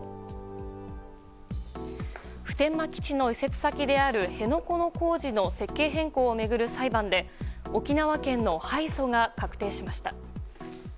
普天間基地の移設先である辺野古の工事の設計変更を巡る裁判で沖縄県の敗訴が確定しました。